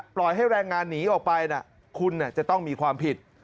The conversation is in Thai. ปล่อยให้แรงงานหนีออกไปนะคุณจะต้องมีความผิด